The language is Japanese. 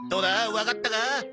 わかったか？